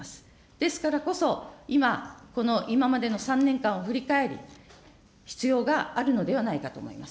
ですからこそ、今、この今までの３年間を振り返り、必要があるのではないかと思います。